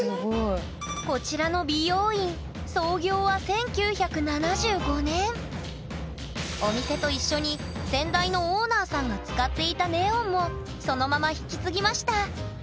こちらの美容院お店と一緒に先代のオーナーさんが使っていたネオンもそのまま引き継ぎました。